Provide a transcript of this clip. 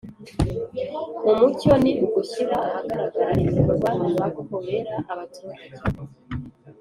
mu mucyo ni ugushyira ahagaragara ibikorwa bakorera abaturage,